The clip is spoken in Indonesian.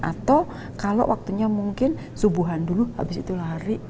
atau kalau waktunya mungkin subuhan dulu abis itu lari